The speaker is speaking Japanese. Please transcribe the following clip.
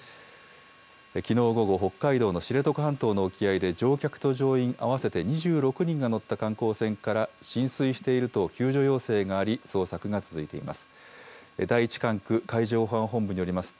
きのう午後、北海道の知床半島の沖合で乗客と乗員合わせて２６人が乗った観光船から、浸水していると救助要請があり、捜索が続いています。